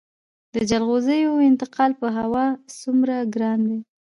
د جلغوزیو انتقال په هوا څومره ګران دی؟